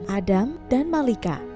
adam dan malika